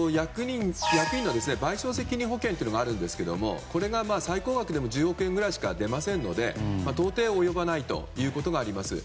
賠償責任保険というものがあるんですけどこれが最高額でも１０億円ぐらいしか出ないというのがるので到底、及ばないということがあります。